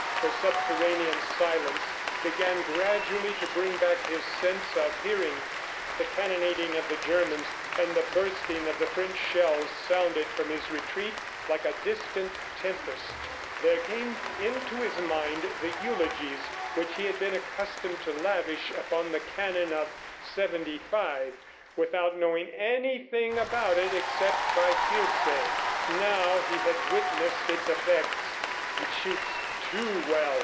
The subterranean silence began gradually to bring back his sense of hearing. The cannonading of the Germans and the bursting of the French shells sounded from his retreat like a distant tempest. There came into his mind the eulogies which he had been accustomed to lavish upon the cannon of '75 without knowing anything about it except by hearsay. Now he had witnessed its effects. "It shoots TOO well!"